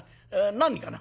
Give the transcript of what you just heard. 何かな？」。